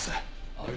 あれ？